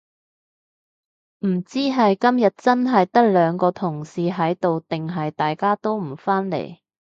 唔知係今日真係得兩個同事喺度定係大家都唔返嚟